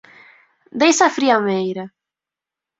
Deixa a friameira.